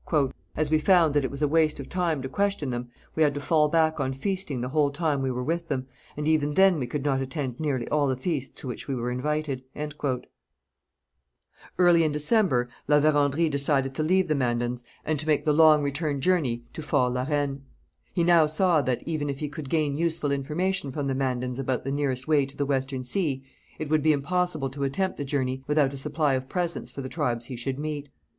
'As we found that it was a waste of time to question them, we had to fall back on feasting the whole time we were with them, and even then we could not attend nearly all the feasts to which we were invited.' [Illustration: Mandan girls. From Pritchard's 'Natural History of Man.'] Early in December La Vérendrye decided to leave the Mandans and to make the long return journey to Fort La Reine. He now saw that, even if he could gain useful information from the Mandans about the nearest way to the Western Sea, it would be impossible to attempt the journey without a supply of presents for the tribes he should meet.